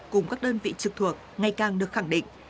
cùng các đơn vị trực thuộc ngày càng được khẳng định